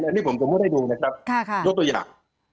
อันนี้ผมสมมุติให้ดูนะครับยกตัวอย่าง